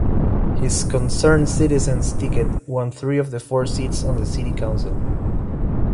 His Concerned Citizens ticket won three of the four seats on the city council.